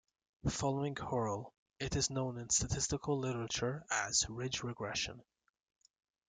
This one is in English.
Following Hoerl, it is known in the statistical literature as ridge regression.